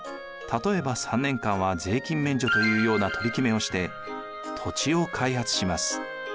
例えば３年間は税金免除というような取り決めをして土地を開発します。